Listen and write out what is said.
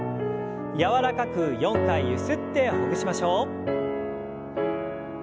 柔らかく４回ゆすってほぐしましょう。